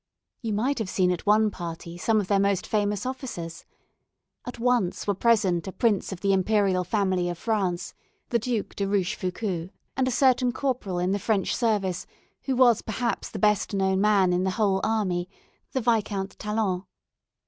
You might have seen at one party some of their most famous officers. At once were present a Prince of the Imperial family of France, the Duc de Rouchefoucault, and a certain corporal in the French service, who was perhaps the best known man in the whole army, the Viscount Talon.